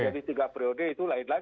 jadi tiga periode itu lainnya